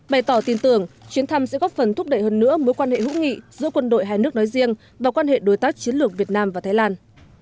bày tỏ tin tưởng chuyến thăm sẽ góp phần thúc đẩy hơn nữa mối quan hệ hữu nghị giữa quân đội hai nước nói riêng và quan hệ đối tác chiến lược việt nam và thái lan